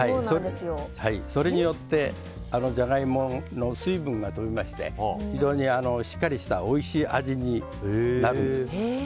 それによってジャガイモの水分が飛びまして非常にしっかりしたおいしい味になるんです。